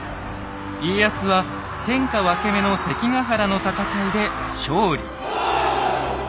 家康は天下分け目の「関ヶ原の戦い」で勝利。